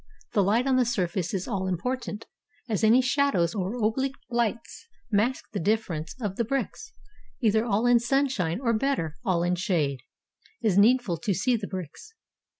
The Kght on the surface is all important, as any shadows or oblique Ughts mask the differences of the bricks ; either all in sun shine, or better, all in shade, is needful to see the bricks.